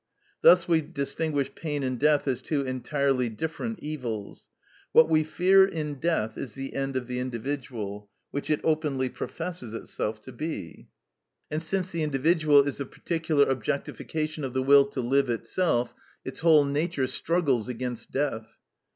Thus we distinguish pain and death as two entirely different evils. What we fear in death is the end of the individual, which it openly professes itself to be, and since the individual is a particular objectification of the will to live itself, its whole nature struggles against death.